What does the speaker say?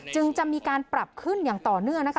จึงจะมีการปรับขึ้นอย่างต่อเนื่องนะคะ